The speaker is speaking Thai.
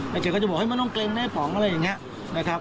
แล้วแกก็จะบอกไม่ต้องเกรงนะภรรยาของกะพ๋องอะไรอย่างนี้นะครับ